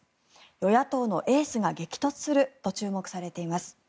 与野党のエースが激突すると注目されています。